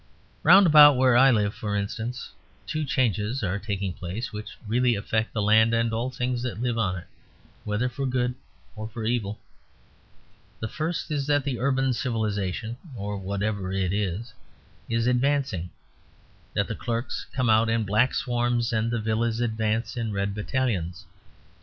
Round about where I live, for instance, two changes are taking place which really affect the land and all things that live on it, whether for good or evil. The first is that the urban civilisation (or whatever it is) is advancing; that the clerks come out in black swarms and the villas advance in red battalions.